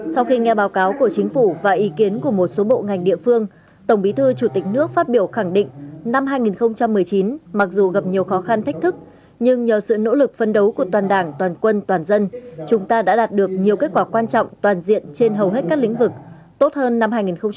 sau khi nghe báo cáo của chính phủ và ý kiến của một số bộ ngành địa phương tổng bí thư chủ tịch nước phát biểu khẳng định năm hai nghìn một mươi chín mặc dù gặp nhiều khó khăn thách thức nhưng nhờ sự nỗ lực phân đấu của toàn đảng toàn quân toàn dân chúng ta đã đạt được nhiều kết quả quan trọng toàn diện trên hầu hết các lĩnh vực tốt hơn năm hai nghìn một mươi tám